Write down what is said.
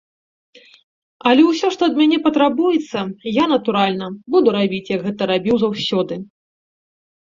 Але ўсё, што ад мяне патрабуецца, я, натуральна, буду рабіць, як гэта рабіў заўсёды.